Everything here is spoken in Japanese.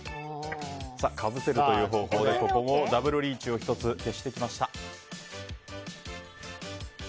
かぶせるという方法でダブルリーチを１つ消してきました。